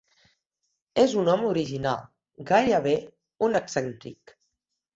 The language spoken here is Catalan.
És un home original, gairebé un excèntric.